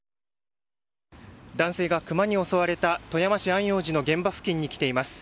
男性がクマに襲われた富山市安養寺の現場周辺に来ています。